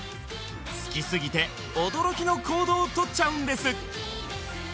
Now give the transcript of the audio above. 好きすぎて驚きの行動を取っちゃうんです